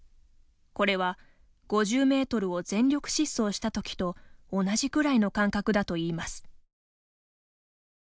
これは５０メートルを全力疾走したときと同じくらいの感覚だといいます。